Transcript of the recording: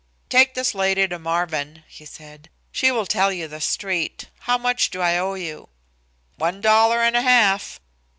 "Take this lady to Marvin," he said. "She will tell you the street. How much do I owe you?" "One dollar and a half."